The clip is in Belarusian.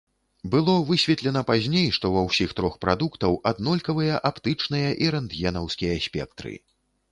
Было высветлена пазней, што ва ўсіх трох прадуктаў аднолькавыя аптычныя і рэнтгенаўскія спектры.